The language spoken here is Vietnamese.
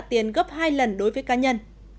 là tiền gấp hai lần đối với cá nhân